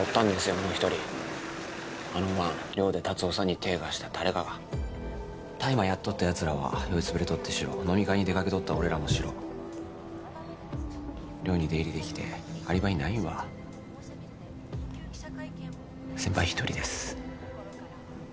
もう一人あの晩寮で達雄さんに手え貸した誰かが大麻やっとったやつらは酔いつぶれとってシロ飲み会に出かけとった俺らもシロ寮に出入りできてアリバイないんは先輩一人です